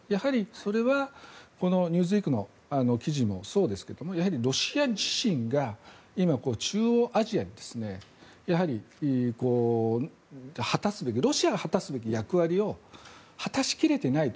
それは「ニューズウィーク」の記事もそうですがロシア自身が今、中央アジアにやはり、ロシアが果たすべき役割を果たしきれていない。